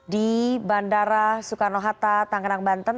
di bandara soekarno hatta tangerang banten